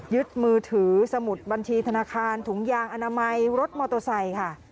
ยึดมือถือสมุดบัญชีธนาคารถุงยางอนามัยรถมอเตอร์ไซค์ค่ะ